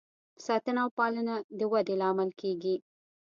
ساتنه او پالنه د ودې لامل کیږي.